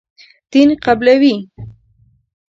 دین قبولوي.